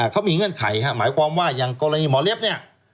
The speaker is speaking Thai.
เขามีเงื่อนไขหมายความว่าอย่างกรณีหมอเล็บเนี่ย